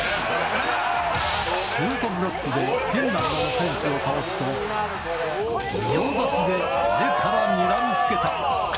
シュートブロックでのオヘンスを倒すと、仁王立ちで上からにらみつけた。